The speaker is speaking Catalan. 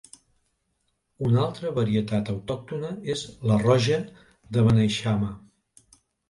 Una altra varietat autòctona és la Roja de Beneixama.